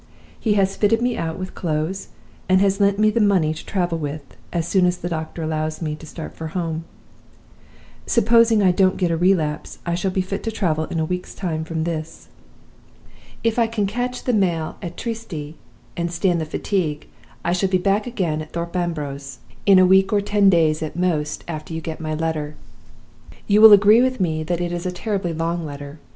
He has fitted me out with clothes, and has lent me the money to travel with, as soon as the doctor allows me to start for home. Supposing I don't get a relapse, I shall be fit to travel in a week's time from this. If I can catch the mail at Trieste, and stand the fatigue, I shall be back again at Thorpe Ambrose in a week or ten days at most after you get my letter. You will agree with me that it is a terribly long letter.